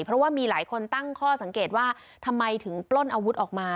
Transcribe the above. เพราะว่ามีหลายคนตั้งข้อสังเกตว่าทำไมถึงปล้นอาวุธออกมา